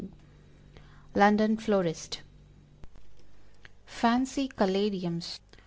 London Florist. FANCY CALADIUMS.